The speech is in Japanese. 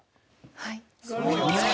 はい。